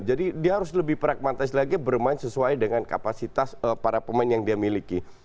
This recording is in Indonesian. jadi dia harus lebih pragmatis lagi bermain sesuai dengan kapasitas para pemain yang dia miliki